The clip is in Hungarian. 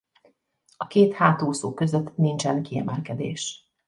A két hátúszó között nincsen kiemelkedés.